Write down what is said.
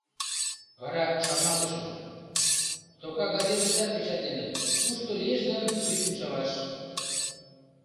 — Вара шарналтышым, тока газетыштат печатленыт: кушто лиеш гын, вӱдым шаваш.